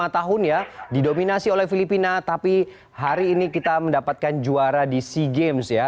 lima tahun ya didominasi oleh filipina tapi hari ini kita mendapatkan juara di sea games ya